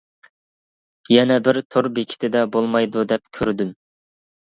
يەنە بىر تور بېكىتىدە بولمايدۇ دەپ كۆردۈم.